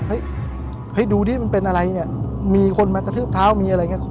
ผมก็เลยว่าเฮ้ยดูที่มันเป็นอะไรเนี่ยมีคนมากระทืบเท้ามีอะไรอย่างนี้